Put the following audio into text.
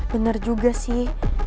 bener juga sih